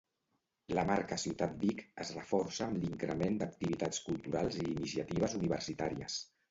La marca ciutat Vic es reforça amb l'increment d'activitats culturals i iniciatives universitàries.